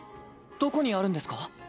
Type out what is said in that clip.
どこにあるんですか？